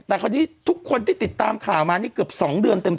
แต่คราวนี้ทุกคนที่ติดตามข่าวมานี่เกือบ๒เดือนเต็ม